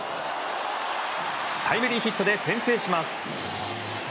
タイムリーヒットで先制します。